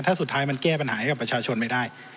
ถ้าสุดท้ายมันแก้ปัญหาให้กับประชาชนไม่ได้